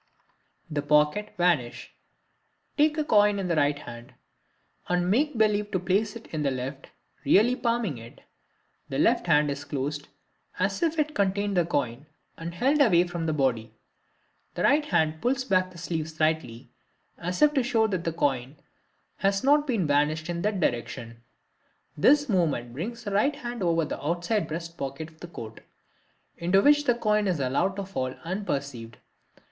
The Pocket Vanish.—Take a coin in the right hand and make believe to place it in the left, really palming it. The left hand is closed as if it contained the coin and held away from the body. The right hand pulls back the sleeve slightly as if to show that the coin has not been vanished in that direction. This movement brings the right hand over the outside breast pocket of the coat, into which the coin is allowed to fall unperceived.